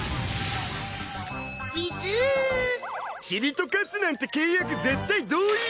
塵と化すなんて契約絶対同意。